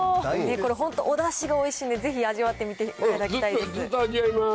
これ本当、おだしがおいしいんで、ぜひ味わってみていただきたいです。